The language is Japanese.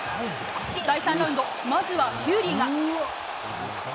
第３ラウンドまずはフューリーが。